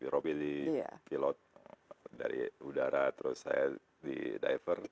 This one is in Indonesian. robin di pilot dari udara terus saya di diver